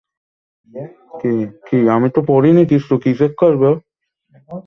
Byzantine এলাকা থেকে এর উৎপত্তি।